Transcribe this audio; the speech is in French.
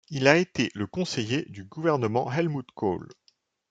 Il a été le conseiller du gouvernement Helmut Kohl.